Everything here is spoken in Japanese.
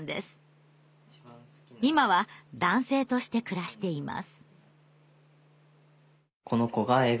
今は男性として暮らしています。